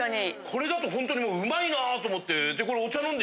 これだとほんとにうまいなと思って。